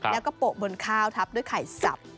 แล้วก็โปะบนข้าวทับด้วยไข่สับ